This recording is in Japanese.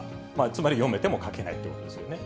つまり読めても書けないということですよね。